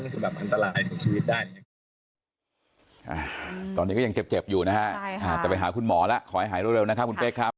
นี่คือแบบอันตรายของชีวิตได้